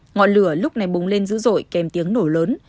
ngọn lửa lúc này bùng lên dữ dội kèm tiếng nổ lớn